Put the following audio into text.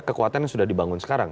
kekuatan yang sudah dibangun sekarang